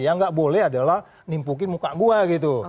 yang nggak boleh adalah nimpukin muka gue gitu